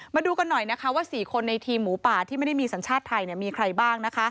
มาดูกันหน่อยนะคะว่า๔คนในทีมหมูป่าที่ไม่ได้มีสัญชาติไทยมีใครบ้าง